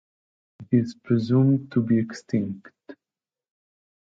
It is presumed to be extinct.